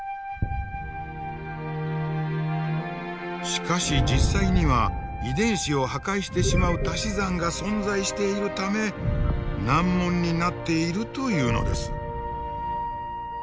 しかし実際には遺伝子を破壊してしまうたし算が存在しているため難問になっているというのです。